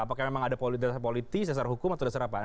apakah memang ada polit dasar politik dasar hukum atau dasar apa